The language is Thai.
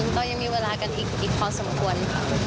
ก็ยังมีเวลากันอีกพอสมควรค่ะ